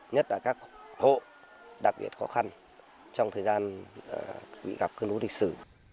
nhất là các hộ đặc biệt khó khăn trong thời gian bị gặp cơn lũ lịch sử